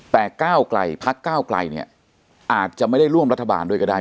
แต่พักก้าวกลัยอาจจะไม่ได้ร่วมรัฐบาลด้วยก็ได้